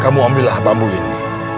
kamu ambillah bambu ini